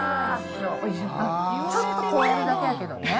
ちょっとこうやるだけやけどね。